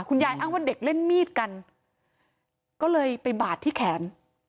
อ้างว่าเด็กเล่นมีดกันก็เลยไปบาดที่แขน